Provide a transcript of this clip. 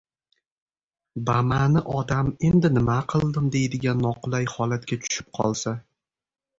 Bama’ni odam “endi nima qildim?” deydigan noqulay holatga tushib qolsa